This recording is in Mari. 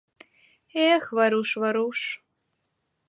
Эх, Варуш, Варуш.